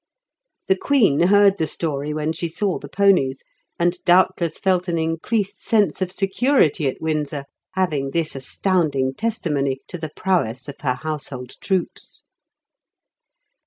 The Queen heard the story when she saw the ponies, and doubtless felt an increased sense of security at Windsor, having this astounding testimony to the prowess of her Household Troops.